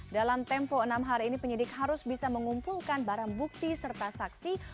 dalam tempo enam hari ini penyidik harus bisa mengumpulkan barang bukti serta saksi